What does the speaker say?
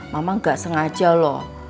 mama gak sengaja loh